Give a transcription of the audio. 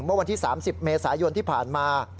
เมื่อวันที่๓๐เมษายนที่ผ่านมา